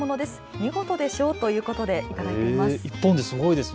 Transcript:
見事でしょうということで頂いています。